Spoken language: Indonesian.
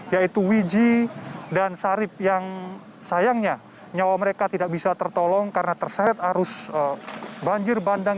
yaitu wiji dan sarip yang sayangnya nyawa mereka tidak bisa tertolong karena terseret arus banjir bandang